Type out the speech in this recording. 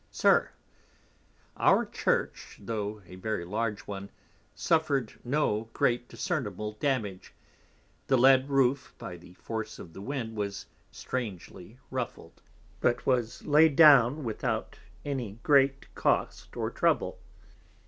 _ SIR, Our Church, tho' a very large one, suffered no great discernable Damage. The Lead Roof, by the force of the Wind was strangely ruffled, but was laid down without any great cost or trouble.